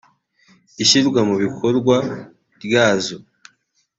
ishyirwa mu bikorwa ryazo